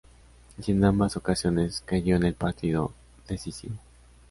Y en ambas ocasiones cayó en el partido decisivo.